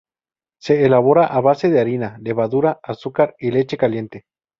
Se elabora a base de harina, levadura, azúcar y leche caliente.